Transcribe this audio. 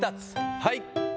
はい。